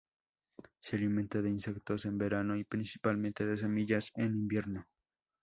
Se alimentan de insectos en verano y principalmente de semillas en invierno.